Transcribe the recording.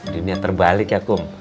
dunia terbalik ya kum